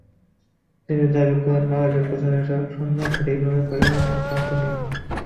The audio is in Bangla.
তিনি দাবি করেন, বাংলাদেশের কোথাও এসব স্বর্ণ সঠিকভাবে পরিমাপের কোনো যন্ত্র নেই।